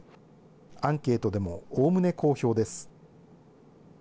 アンケートでもおおむね好評です。